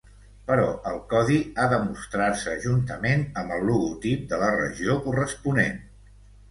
Però el codi ha de mostrar-se juntament amb el logotip de la regió corresponent.